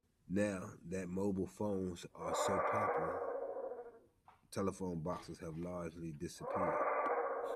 Now that mobile phones are so popular, telephone boxes have largely disappeared